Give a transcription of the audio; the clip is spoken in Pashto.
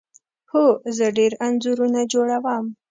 هو، زه ډیر انځورونه جوړوم